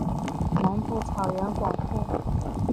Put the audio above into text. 南部草原广阔。